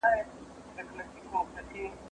زه بايد خواړه ورکړم